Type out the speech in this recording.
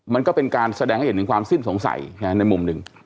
มันก็เป็นการแสดงให้เห็นถึงความสิ้นสงสัยในมุมหนึ่ง